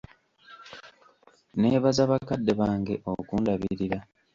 Neebaza bakadde bange okundabirira.